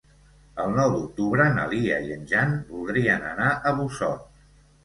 El nou d'octubre na Lia i en Jan voldrien anar a Busot.